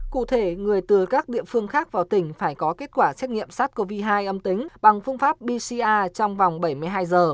cụ thể người từ các địa phương khác vào tỉnh phải có kết quả xét nghiệm sars cov hai âm tính bằng phương pháp bca trong vòng bảy mươi hai giờ